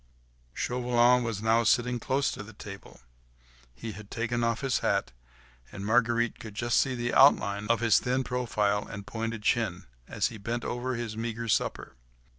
Chauvelin was now sitting close to the table; he had taken off his hat, and Marguerite could just see the outline of his thin profile and pointed chin, as he bent over his meagre supper.